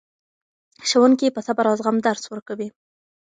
ښوونکي په صبر او زغم درس ورکوي.